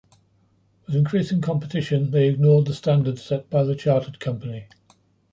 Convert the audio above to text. With increasing competition, they ignored the standards set by the Chartered Company.